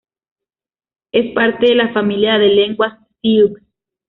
Es parte de la familia de lenguas siux.